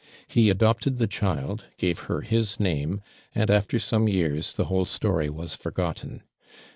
He adopted the child, gave her his name, and, after some years, the whole story was forgotten.